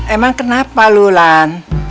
emang kenapa lu lan